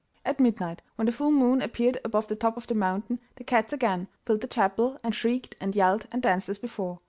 At midnight, when the full moon appeared above the top of the mountain, the cats again filled the chapel and shrieked and yelled and danced as before.